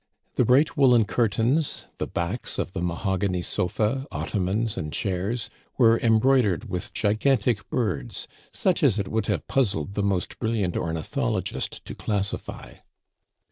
The bright woolen curtains, the backs of the mahogany sofa, ottomans, and chairs were embroidered with gigantic birds, such as it would have puzzled the most brilliant ornithologist to classify.